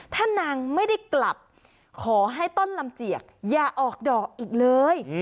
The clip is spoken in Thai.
ถ้านางไม่ได้กลับขอให้ต้นลำเจียกอย่าออกดอกอีกเลย